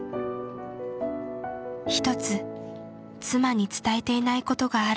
一つ妻に伝えていないことがあるという。